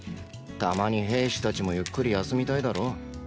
たまに兵士たちもゆっくり休みたいだろ？